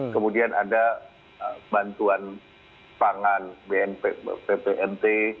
kemudian ada bantuan pangan ppnt